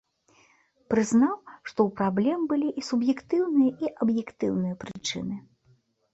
Прызнаў, што ў праблем былі і суб'ектыўныя, і аб'ектыўныя прычыны.